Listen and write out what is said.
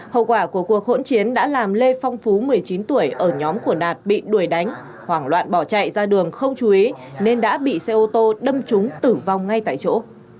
hậu quả của cuộc hỗn chiến đã làm lê phong phú một mươi chín tuổi ở nhóm của đạt bị đuổi đánh hoảng loạn bỏ chạy ra đường không chú ý nên đã bị xe ô tô đâm trúng tử vong ngay tại chỗ